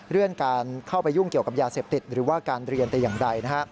เรื่องการเข้าไปยุ่งเกี่ยวกับยาเสพติดหรือว่าการเรียนแต่อย่างใด